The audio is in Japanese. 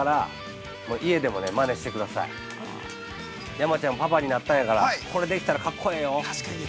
山ちゃん、パパになったんやからこれ、できたら格好いいよ。